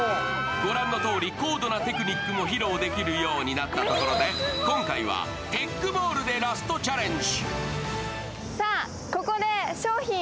御覧のとおり、高度なテクニックも披露できるようになったところで、今回はテックボールでラストチャレンジ！